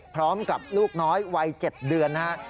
พร้อมกับลูกน้อยวัย๗เดือนนะครับ